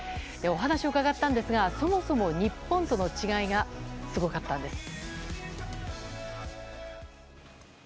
お話を伺ったんですがそもそも日本との違いがすごかったんです。